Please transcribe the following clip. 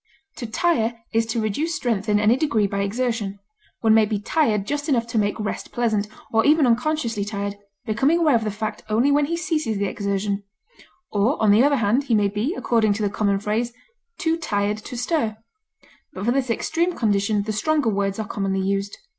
fag, To tire is to reduce strength in any degree by exertion; one may be tired just enough to make rest pleasant, or even unconsciously tired, becoming aware of the fact only when he ceases the exertion; or, on the other hand, he may be, according to the common phrase, "too tired to stir;" but for this extreme condition the stronger words are commonly used.